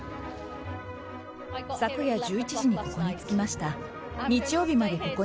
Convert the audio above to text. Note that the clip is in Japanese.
昨夜１１時にここに着きました。